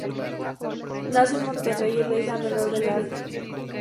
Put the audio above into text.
Nace en Monterrey, es la hija menor del Arq.